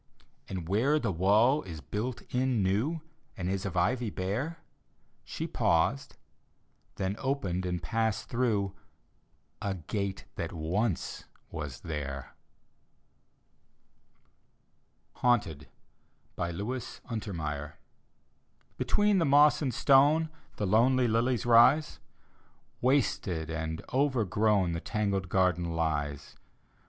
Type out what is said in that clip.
And where the wall is built in new And is of ivy bare She paused — then opened and passed through A gate that once was there. HAUNTED : look untermeyer Between the moss and stone The lonely lilies rise; Wasted and overgrown The tangled garden lies.